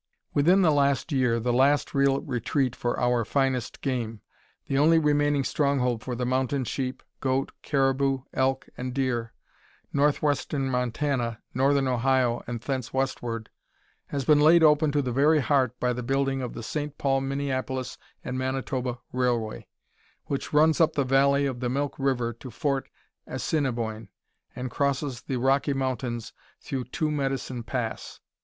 Within the last year the last real retreat for our finest game, the only remaining stronghold for the mountain sheep, goat, caribou, elk, and deer northwestern Montana, northern Idaho, and thence westward has been laid open to the very heart by the building of the St. Paul, Minneapolis and Manitoba Railway, which runs up the valley of the Milk River to Fort Assinniboine, and crosses the Rocky Mountains through Two Medicine Pass.